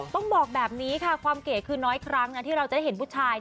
ต้องบอกแบบนี้ค่ะความเก๋คือน้อยครั้งนะที่เราจะได้เห็นผู้ชาย